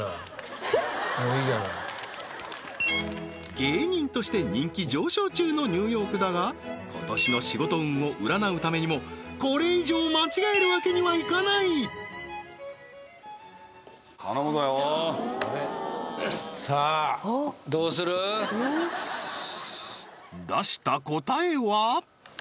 芸人として人気上昇中のニューヨークだが今年の仕事運を占うためにもこれ以上間違えるわけにはいかない出した答えは？